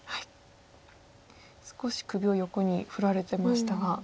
少し首を横に振られてましたが。